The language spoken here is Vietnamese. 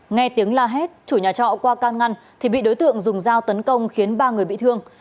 nghe tiếng la hét chủ nhà trọ qua can ngăn thì bị đối tượng dùng dao tấn công khiến ba người bị thương